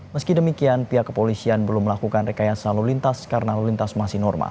meski demikian pihak kepolisian belum melakukan rekayasa lalu lintas karena lalu lintas masih normal